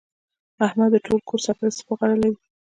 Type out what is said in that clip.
احمد د ټول کور سرپرستي پر غاړه لري.